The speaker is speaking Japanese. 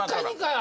あ。